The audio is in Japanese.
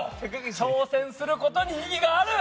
挑戦することに意義がある！